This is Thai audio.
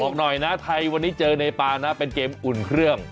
บอกหน่อยนะไทยวันนี้เจอเนปานะเป็นเกมอุ่นเครื่อง